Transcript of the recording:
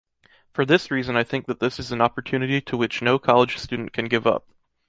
For this reason I think that this is an opportunity to which no college student can give up.